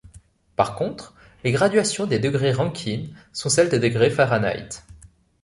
Par contre les graduations des degrés Rankine sont celles des degrés Fahrenheit.